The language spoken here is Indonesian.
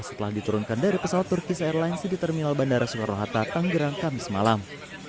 setelah diturunkan dari pesawat turkis airlines di terminal bandara soekarno hatta tanggerang kamis malam